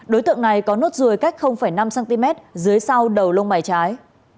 đối tượng này có nốt rùi cách năm cm dưới sau đầu lông bài trái